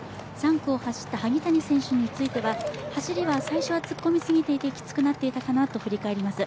３区を走った萩谷選手については走りは最初は突っ込みすぎていてきつくなっていたかなと振り返ります。